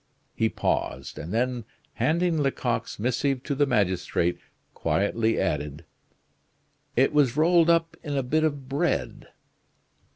He paused, and then handing Lecoq's missive to the magistrate, quietly added: "It was rolled up in a bit of bread."